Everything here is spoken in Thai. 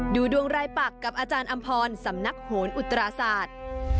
ดูดวงรายปักกับอาจารย์อำพรสำนักโหนอุตราศาสตร์